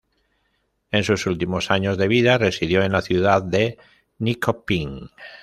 En sus últimos años de vida residió en la ciudad de Nyköping.